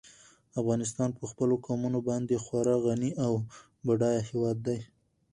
افغانستان په خپلو قومونه باندې خورا غني او بډای هېواد دی.